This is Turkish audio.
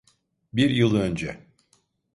Bir yıl önce.